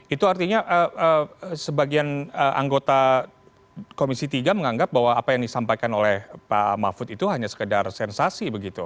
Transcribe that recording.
itu artinya sebagian anggota komisi tiga menganggap bahwa apa yang disampaikan oleh pak mahfud itu hanya sekedar sensasi begitu